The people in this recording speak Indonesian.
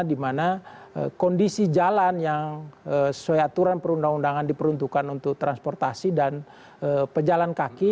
di mana kondisi jalan yang sesuai aturan perundang undangan diperuntukkan untuk transportasi dan pejalan kaki